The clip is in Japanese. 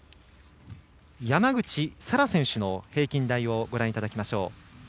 山口幸空選手の平均台をご覧いただきましょう。